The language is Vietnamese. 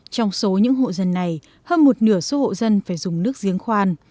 trong số những hộ dân này hơn một nửa số hộ dân phải dùng nước giếng khoan